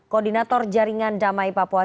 koordinator jaringan damai papua